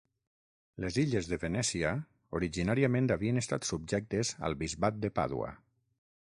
Les illes de Venècia originàriament havien estat subjectes al bisbat de Pàdua.